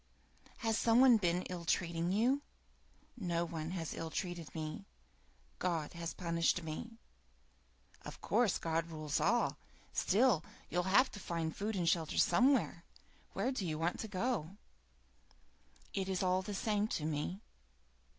"Has some one been ill treating you?" "No one has ill treated me. God has punished me." "Of course God rules all. Still, you'll have to find food and shelter somewhere. Where do you want to go to?" "It is all the same to me."